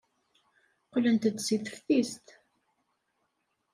Qqlent-d seg teftist.